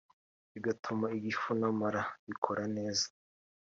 bigatuma igifu n’amara bikora neza